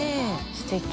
すてき。